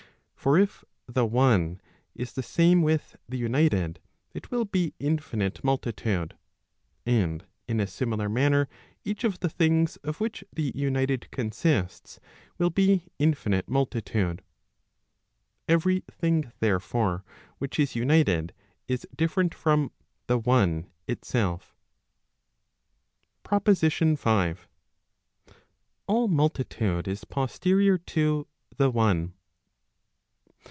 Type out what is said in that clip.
For if the one is the same with the united, it will be infinite multitude. And in a similar manner each of the things of which the united consists will be infinite multitude. [Every thing, therefore, which is united is different from the one itself. M PROPOSITION V. All multitude is posterior to the one.